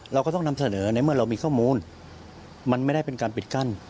เราก็ต้องนำเสนอในเมื่อเรามีข้อมูลมันไม่ได้เป็นการปิดกั้น